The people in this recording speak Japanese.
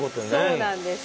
そうなんです。